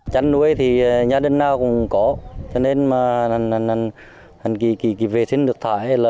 bệnh tật nảy sinh